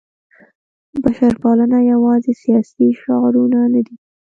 بشرپالنه یوازې سیاسي شعارونه نه دي.